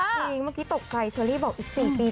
จริงเมื่อกี้ตกใจเฉลี่ยบอกอีก๔ปีจะ๕๐บาท